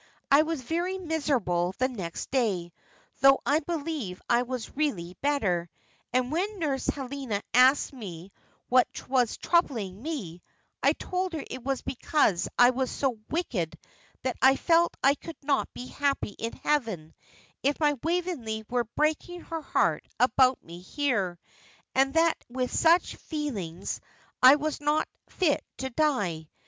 I was very miserable the next day, though I believe I was really better; and when Nurse Helena asked me what was troubling me, I told her it was because I was so wicked that I felt I could not be happy in heaven, if my Waveney were breaking her heart about me here, and that with such feelings I was not fit to die.